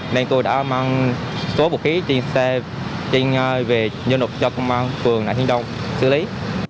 nên tôi đã mang số vũ khí trên xe về nhân lục cho công an phường nại hiên đông xử lý